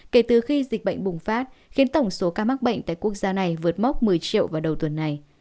kể từ khi dịch bệnh bùng phát khiến tổng số ca mắc bệnh tại quốc gia này vượt mốc một mươi triệu vào đầu tuần này